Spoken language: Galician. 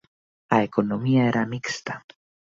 A economía era mixta.